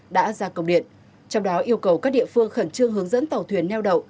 đã ra công điện trong đó yêu cầu các địa phương khẩn trương hướng dẫn tàu thuyền neo đậu